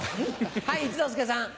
はい一之輔さん。